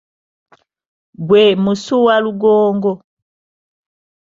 Gwe musu walugongo.